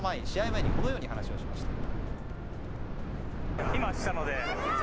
前このように話をしました。